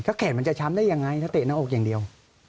ก็แขนมันจะช้ำได้อย่างไรถ้าเตะในอกอย่างเดียว